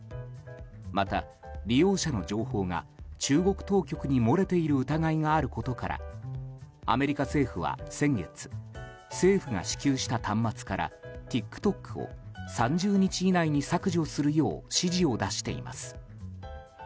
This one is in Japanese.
また利用者の情報が中国当局に漏れている疑いがあることからアメリカ政府は先月政府が支給した端末からＴｉｋＴｏｋを３０日以内に削除するよう指示を出しています。